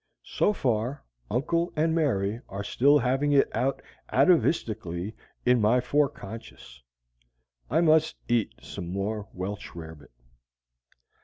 So far, Uncle and Mary are still having it out atavistically in my foreconscious. I must eat some more Welch rarebit.